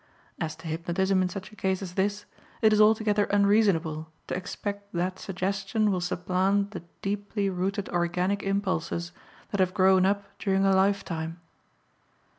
As to hypnotism in such a case as this, it is altogether unreasonable to expect that suggestion will supplant the deeply rooted organic impulses that have grown up during a lifetime.